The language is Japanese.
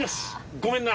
ごめんな。